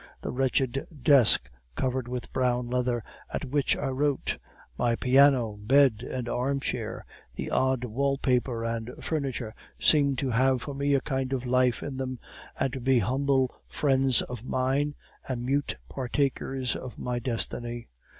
The wretched desk covered with brown leather at which I wrote, my piano, bed, and armchair, the odd wall paper and furniture seemed to have for me a kind of life in them, and to be humble friends of mine and mute partakers of my destiny.